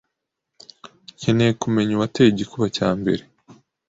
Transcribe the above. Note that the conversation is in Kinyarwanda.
nkeneye kumenya uwateye igikuba cya mbere.